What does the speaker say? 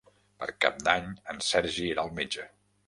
Per Cap d'Any en Sergi irà al metge.